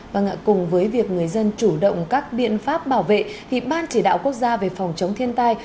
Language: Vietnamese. và cùng với việc người dân chủ động các biện pháp bảo vệ thì ban chỉ đạo quốc gia về phòng chống thiên tai